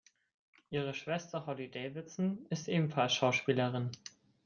Ihre Schwester Holly Davidson ist ebenfalls Schauspielerin.